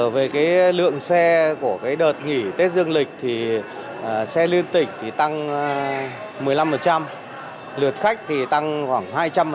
về lượng xe của đợt nghỉ tết dương lịch thì xe liên tỉnh tăng một mươi năm lượt khách tăng khoảng hai trăm linh